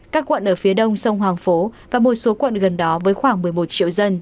các quận ở phía đông sông hoàng phố và một số quận gần đó với khoảng một mươi một triệu dân